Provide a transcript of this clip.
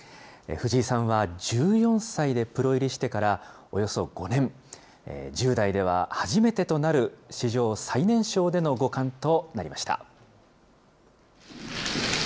藤井さんは１４歳でプロ入りしてからおよそ５年、１０代では初めてとなる史上最年少での五冠となりました。